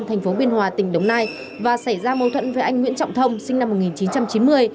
thành phố biên hòa tỉnh đồng nai và xảy ra mâu thuẫn với anh nguyễn trọng thông sinh năm một nghìn chín trăm chín mươi